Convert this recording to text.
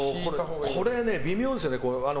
これ微妙ですよね。